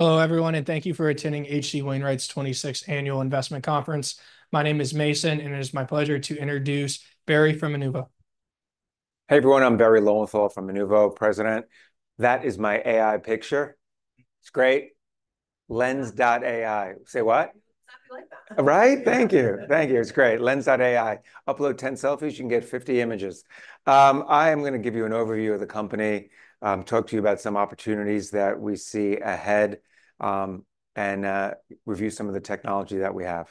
Hello, everyone, and thank you for attending H.C. Wainwright's 26th Annual Investment Conference. My name is Mason, and it is my pleasure to introduce Barry from Inuvo. Hey, everyone, I'm Barry Lowenthal from Inuvo, President. That is my AI picture. It's great. LensAI. Say what? Right? Thank you, thank you. It's great. LensAI. Upload 10 selfies, you can get 50 images. I am gonna give you an overview of the company, talk to you about some opportunities that we see ahead, and review some of the technology that we have.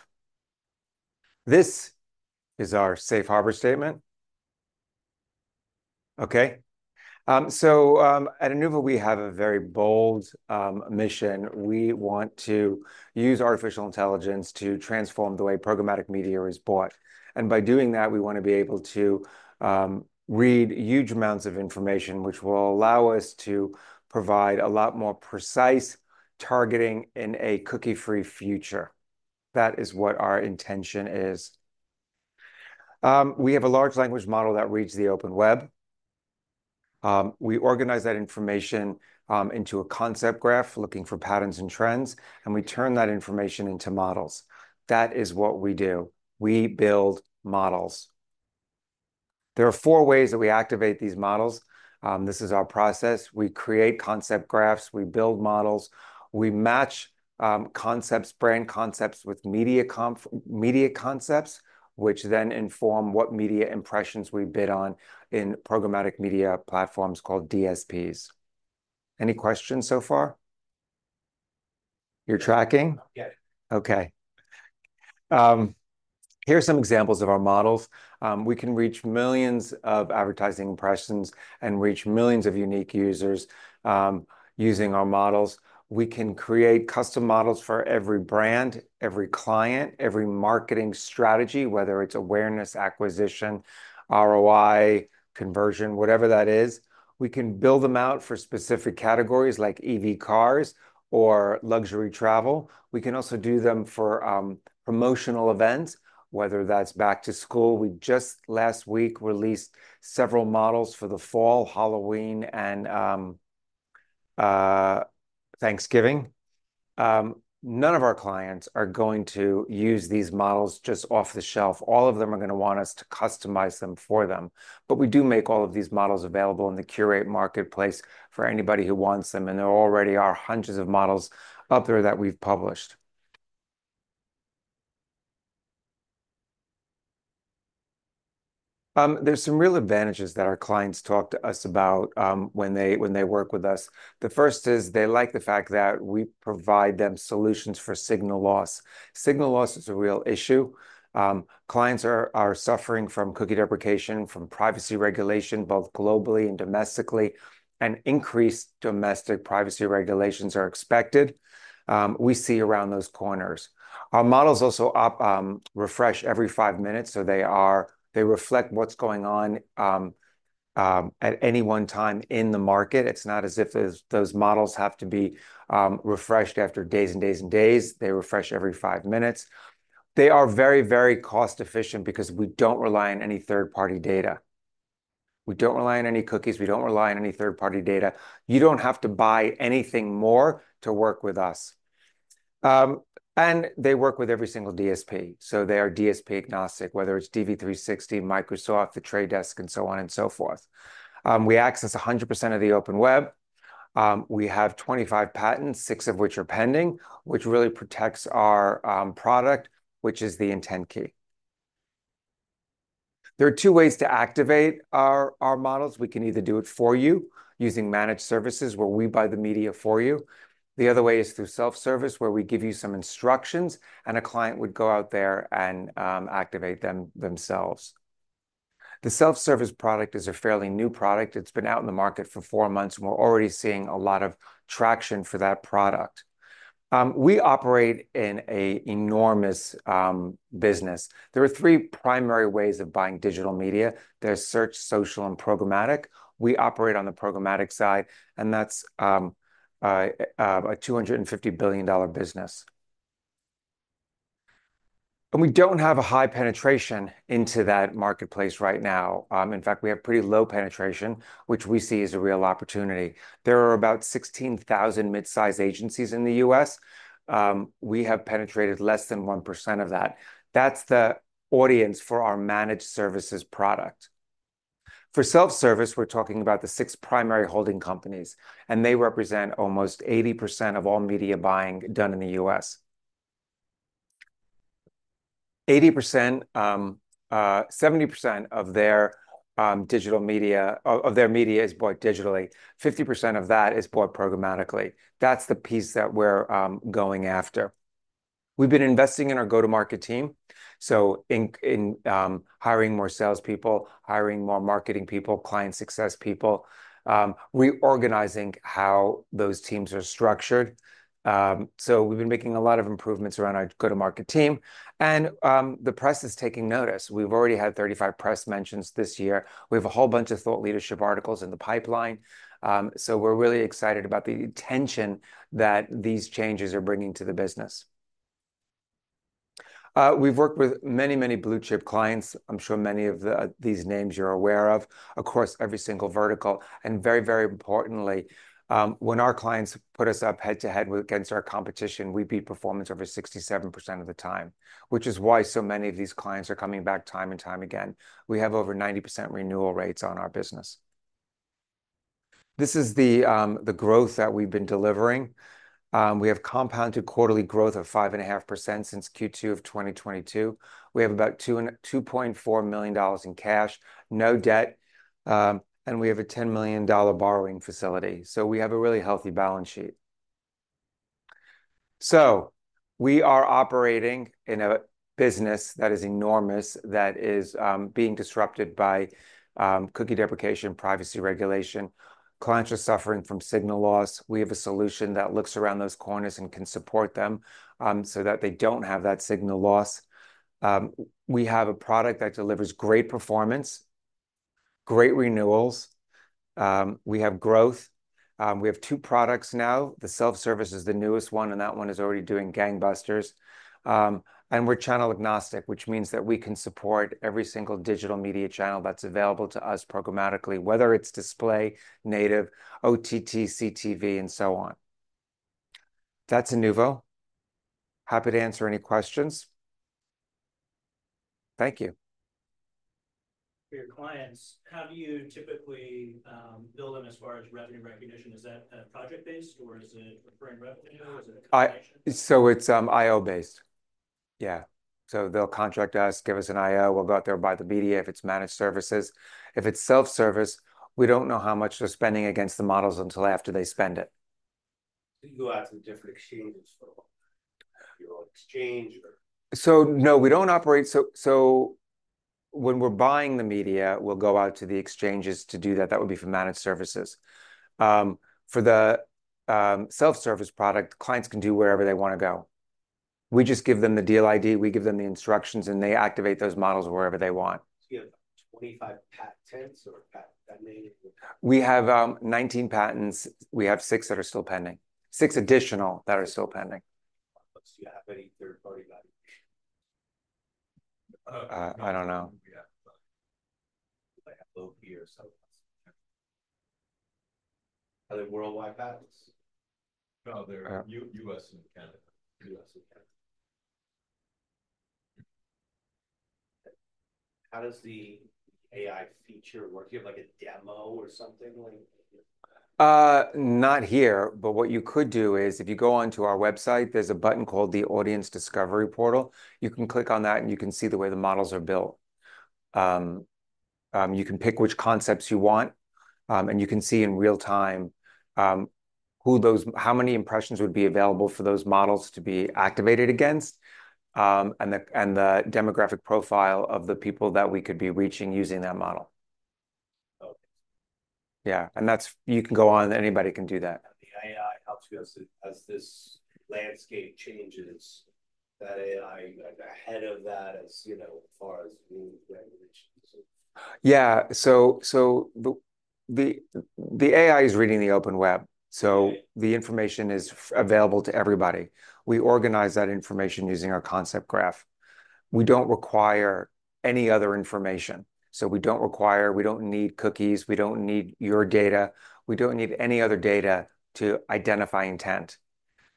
This is our safe harbor statement. Okay, so at Inuvo, we have a very bold mission. We want to use artificial intelligence to transform the way programmatic media is bought, and by doing that, we wanna be able to read huge amounts of information, which will allow us to provide a lot more precise targeting in a cookie-free future. That is what our intention is. We have a large language model that reads the open web. We organize that information into a concept graph, looking for patterns and trends, and we turn that information into models. That is what we do. We build models. There are four ways that we activate these models. This is our process. We create concept graphs, we build models, we match concepts, brand concepts with media concepts, which then inform what media impressions we bid on in programmatic media platforms called DSPs. Any questions so far? You're tracking? Yeah. Okay. Here are some examples of our models. We can reach millions of advertising impressions and reach millions of unique users using our models. We can create custom models for every brand, every client, every marketing strategy, whether it's awareness, acquisition, ROI, conversion, whatever that is. We can build them out for specific categories like EV cars or luxury travel. We can also do them for promotional events, whether that's back to school. We just last week released several models for the fall, Halloween, and Thanksgiving. None of our clients are going to use these models just off the shelf. All of them are gonna want us to customize them for them, but we do make all of these models available in the Curate Marketplace for anybody who wants them, and there already are hundreds of models out there that we've published. There's some real advantages that our clients talk to us about, when they work with us. The first is they like the fact that we provide them solutions for signal loss. Signal loss is a real issue. Clients are suffering from cookie deprecation, from privacy regulation, both globally and domestically, and increased domestic privacy regulations are expected. We see around those corners. Our models also refresh every five minutes, so they reflect what's going on at any one time in the market. It's not as if those models have to be refreshed after days and days and days. They refresh every five minutes. They are very, very cost-efficient because we don't rely on any third-party data. We don't rely on any cookies. We don't rely on any third-party data. You don't have to buy anything more to work with us, and they work with every single DSP, so they are DSP-agnostic, whether it's DV360, Microsoft, The Trade Desk, and so on and so forth. We access 100% of the open web. We have 25 patents, six of which are pending, which really protects our product, which is the IntentKey. There are two ways to activate our models. We can either do it for you using managed services, where we buy the media for you. The other way is through self-service, where we give you some instructions, and a client would go out there and activate them themselves. The self-service product is a fairly new product. It's been out in the market for four months, and we're already seeing a lot of traction for that product. We operate in an enormous business. There are three primary ways of buying digital media. There's search, social, and programmatic. We operate on the programmatic side, and that's a $250 billion business. We don't have a high penetration into that marketplace right now. In fact, we have pretty low penetration, which we see as a real opportunity. There are about 16,000 mid-size agencies in the U.S. We have penetrated less than 1% of that. That's the audience for our managed services product. For self-service, we're talking about the six primary holding companies, and they represent almost 80% of all media buying done in the U.S. 70% of their digital media is bought digitally. 50% of that is bought programmatically. That's the piece that we're going after. We've been investing in our go-to-market team, so in hiring more salespeople, hiring more marketing people, client success people, reorganizing how those teams are structured. So we've been making a lot of improvements around our go-to-market team, and the press is taking notice. We've already had 35 press mentions this year. We have a whole bunch of thought leadership articles in the pipeline, so we're really excited about the attention that these changes are bringing to the business. We've worked with many, many blue-chip clients. I'm sure many of the, these names you're aware of, across every single vertical, and very, very importantly, when our clients put us up head-to-head against our competition, we beat performance over 67% of the time, which is why so many of these clients are coming back time and time again. We have over 90% renewal rates on our business. This is the, the growth that we've been delivering. We have compounded quarterly growth of 5.5% since Q2 of 2022. We have about $2.4 million in cash, no debt, and we have a $10 million borrowing facility, so we have a really healthy balance sheet, so we are operating in a business that is enormous, that is, being disrupted by, cookie deprecation, privacy regulation. Clients are suffering from signal loss. We have a solution that looks around those corners and can support them, so that they don't have that signal loss. We have a product that delivers great performance, great renewals. We have growth. We have two products now. The self-service is the newest one, and that one is already doing gangbusters. And we're channel agnostic, which means that we can support every single digital media channel that's available to us programmatically, whether it's display, native, OTT, CTV, and so on. That's Inuvo. Happy to answer any questions. Thank you. For your clients, how do you typically bill them as far as revenue recognition? Is that project-based, or is it recurring revenue, or is it a combination? It's IO-based. Yeah, so they'll contract us, give us an IO, we'll go out there, buy the media if it's managed services. If it's self-service, we don't know how much they're spending against the models until after they spend it. Do you go out to the different exchanges for your exchange or? No, we don't operate. When we're buying the media, we'll go out to the exchanges to do that. That would be for managed services. For the self-service product, clients can do wherever they wanna go. We just give them the Deal ID, we give them the instructions, and they activate those models wherever they want. You have 25 patents or patented? We have 19 patents. We have six that are still pending. Six additional that are still pending. Do you have any third-party validation? I don't know. Yeah, like LOP or something. Are they worldwide patents? No, they're U.S. and Canada. U.S. and Canada. How does the AI feature work? Do you have, like, a demo or something, like? Not here, but what you could do is, if you go onto our website, there's a button called the Audience Discovery Portal. You can click on that, and you can see the way the models are built. You can pick which concepts you want, and you can see in real time how many impressions would be available for those models to be activated against, and the demographic profile of the people that we could be reaching using that model. Okay. Yeah, and that's. You can go on, anybody can do that. The AI helps you as this landscape changes, that AI, like, ahead of that, you know, as far as new regulations? Yeah. So the AI is reading the Open Web, so the information is available to everybody. We organize that information using our concept graph. We don't require any other information, so we don't require, we don't need cookies, we don't need your data. We don't need any other data to identify intent.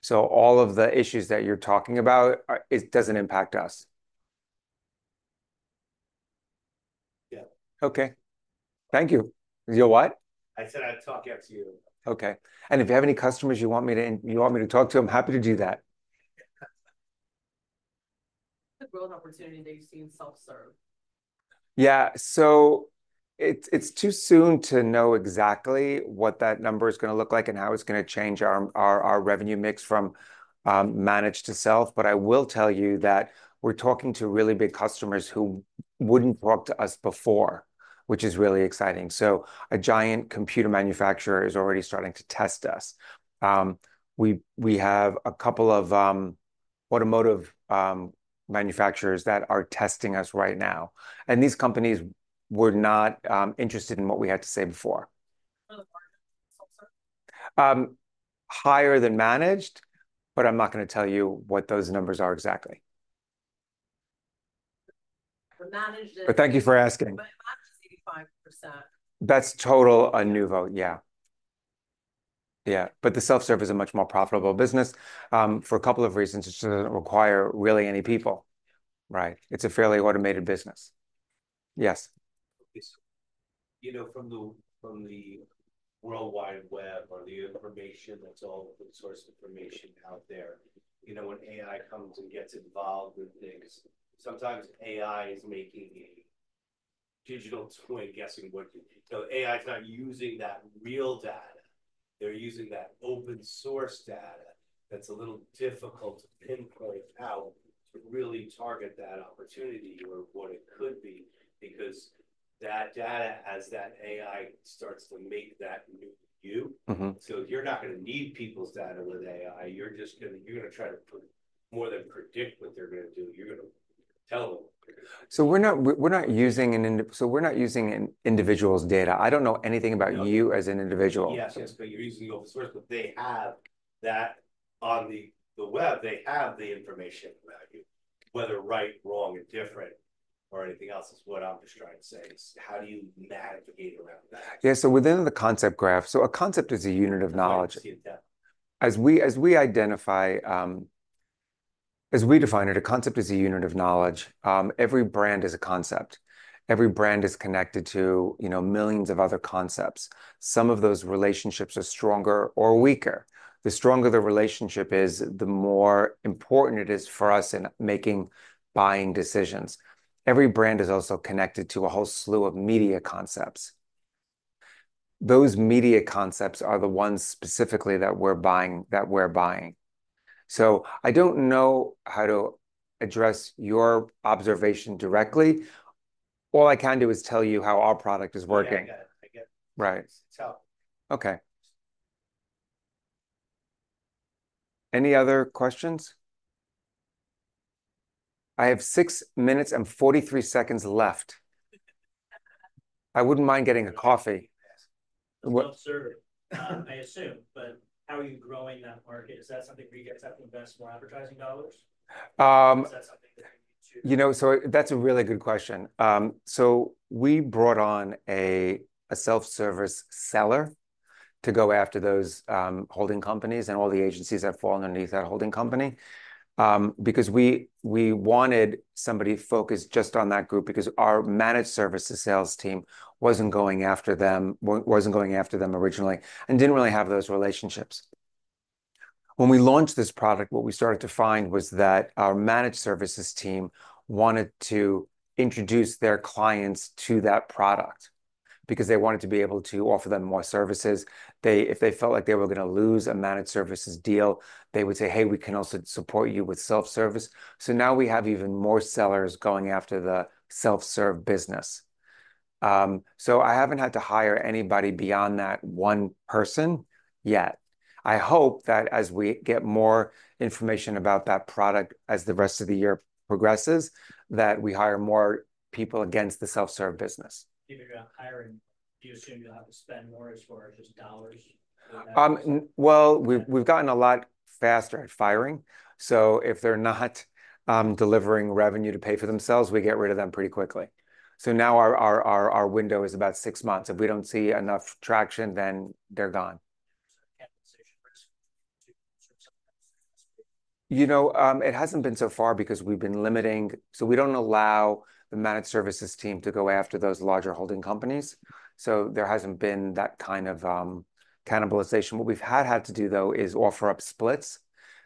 So all of the issues that you're talking about are. It doesn't impact us. Yeah. Okay. Thank you. You what? I said, I'd talk after you. Okay, and if you have any customers you want me to talk to, I'm happy to do that. The growth opportunity that you've seen in self-serve? Yeah. So it's too soon to know exactly what that number is gonna look like and how it's gonna change our revenue mix from managed to self, but I will tell you that we're talking to really big customers who wouldn't talk to us before, which is really exciting. So a giant computer manufacturer is already starting to test us. We have a couple of automotive manufacturers that are testing us right now, and these companies were not interested in what we had to say before. What are the margins for self-serve? Higher than managed, but I'm not gonna tell you what those numbers are exactly. The managed- But thank you for asking. Managed is 85%. That's total Inuvo, yeah. Yeah, but the self-serve is a much more profitable business, for a couple of reasons. It just doesn't require really any people, right? It's a fairly automated business. Yes? Yes. You know, from the worldwide web or the information, that's all open source information out there, you know, when AI comes and gets involved with things, sometimes AI is making a digital twin, guessing what to do. So AI is not using that real data, they're using that open source data that's a little difficult to pinpoint how to really target that opportunity or what it could be, because that data, as that AI starts to make that new you. Mm-hmm. So if you're not gonna need people's data with AI, you're just gonna, you're gonna try to put more than predict what they're gonna do. You're gonna tell them. So we're not using an individual's data. I don't know anything about you as an individual. Yes, yes, but you're using the open source, but they have that on the, the web. They have the information about you, whether right, wrong, or different, or anything else, is what I'm just trying to say. So how do you navigate around that? Yeah, so within the Concept Graph. So a concept is a unit of knowledge. I see that. As we identify, as we define it, a concept is a unit of knowledge. Every brand is a concept. Every brand is connected to, you know, millions of other concepts. Some of those relationships are stronger or weaker. The stronger the relationship is, the more important it is for us in making buying decisions. Every brand is also connected to a whole slew of media concepts. Those media concepts are the ones specifically that we're buying. So I don't know how to address your observation directly. All I can do is tell you how our product is working. Yeah, I get it. I get it. Right. So- Okay. Any other questions? I have six minutes and 43 seconds left. I wouldn't mind getting a coffee. Yes. Self-serve, I assume, but how are you growing that market? Is that something where you guys have to invest more advertising dollars? Um- Is that something that you need to- You know, so that's a really good question. So we brought on a self-service seller to go after those holding companies, and all the agencies that fall underneath that holding company. Because we wanted somebody focused just on that group, because our managed services sales team wasn't going after them, wasn't going after them originally and didn't really have those relationships. When we launched this product, what we started to find was that our managed services team wanted to introduce their clients to that product because they wanted to be able to offer them more services. If they felt like they were gonna lose a managed services deal, they would say, "Hey, we can also support you with self-service." So now we have even more sellers going after the self-serve business. So, I haven't had to hire anybody beyond that one person yet. I hope that as we get more information about that product, as the rest of the year progresses, that we hire more people against the self-serve business. Even if you're hiring, do you assume you'll have to spend more as far as just dollars for that? Well, we've gotten a lot faster at firing, so if they're not delivering revenue to pay for themselves, we get rid of them pretty quickly. So now our window is about six months. If we don't see enough traction, then they're gone. There's a cannibalization risk to some extent. You know, it hasn't been so far because we've been limiting. So we don't allow the managed services team to go after those larger holding companies, so there hasn't been that kind of cannibalization. What we've had to do, though, is offer up splits.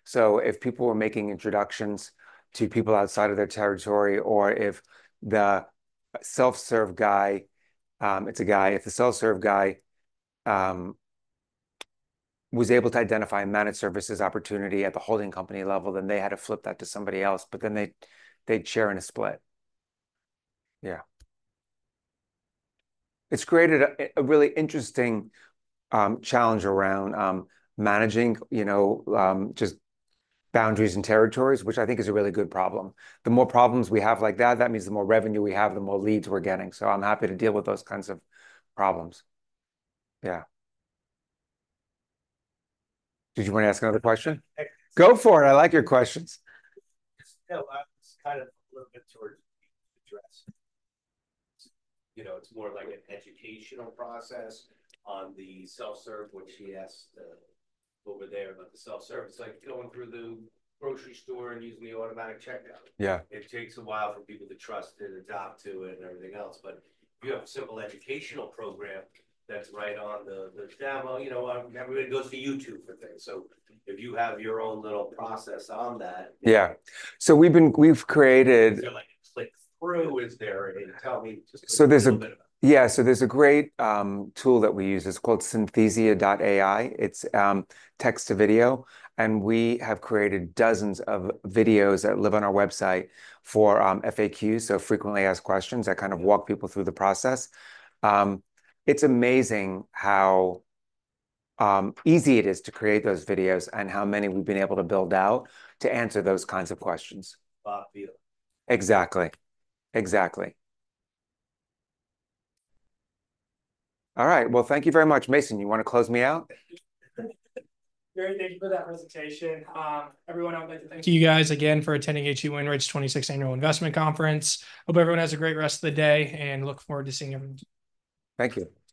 So if people were making introductions to people outside of their territory, or if the self-serve guy was able to identify a managed services opportunity at the holding company level, then they had to flip that to somebody else, but then they'd share in a split. Yeah. It's created a really interesting challenge around managing, you know, just boundaries and territories, which I think is a really good problem. The more problems we have like that, that means the more revenue we have, the more leads we're getting, so I'm happy to deal with those kinds of problems. Yeah. Did you want to ask another question? Go for it. I like your questions. No, it's kind of a little bit toward address. You know, it's more of like an educational process on the self-serve, which he asked over there about the self-serve. It's like going through the grocery store and using the automatic checkout. Yeah. It takes a while for people to trust and adapt to it and everything else. But you have a simple educational program that's right on the demo. You know, everybody goes to YouTube for things, so if you have your own little process on that- Yeah. So we've created. Is there like a click-through? Is there a. Tell me just a little bit about- So there's a great tool that we use. It's called Synthesia.ai. It's text to video, and we have created dozens of videos that live on our website for FAQs, so frequently asked questions, that kind of walk people through the process. It's amazing how easy it is to create those videos and how many we've been able to build out to answer those kinds of questions. [Bob Vila.] Exactly. Exactly. All right, well, thank you very much. Mason, you wanna close me out? Great, thank you for that presentation. Everyone, I'd like to thank you guys again for attending H.C. Wainwright's 26th Annual Investment Conference. Hope everyone has a great rest of the day, and look forward to seeing you. Thank you.